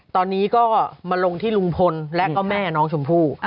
ตอนนี้ก็มาลงที่ลุงพลและก็แม่น้องชมพู่